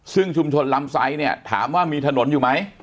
ซึ่งชุมชนลำไซดเนี่ยถามว่ามีถนนอยู่ไหม